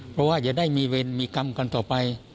เพราะว่าจะได้มีเวรมีกรรมกันต่อไป